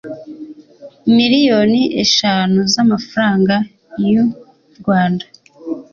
miliyoni eshanu z'amafaranga y u rwanda